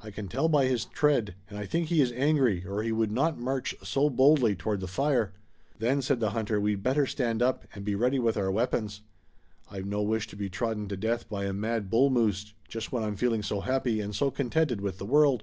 I can tell by his tread, and I think he is angry, or he would not march so boldly toward the fire." "Then," said the hunter, "we'd better stand up, and be ready with our weapons. I've no wish to be trodden to death by a mad bull moose, just when I'm feeling so happy and so contented with the world."